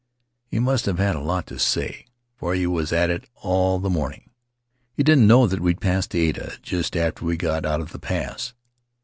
He must have had a lot to say, for he was at it all the morning. He didn't know that we passed the Ala just after we got out of the pass.